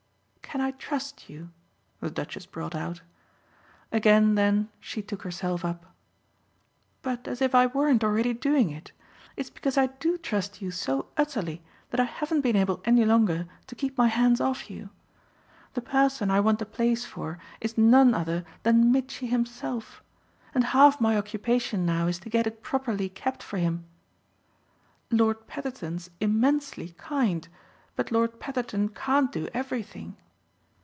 "Can I trust you?" the Duchess brought out. Again then she took herself up. "But as if I weren't already doing it! It's because I do trust you so utterly that I haven't been able any longer to keep my hands off you. The person I want the place for is none other than Mitchy himself, and half my occupation now is to get it properly kept for him. Lord Petherton's immensely kind, but Lord Petherton can't do everything.